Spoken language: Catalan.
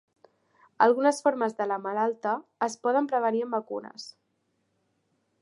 Algunes formes de la malalta es poden prevenir amb vacunes.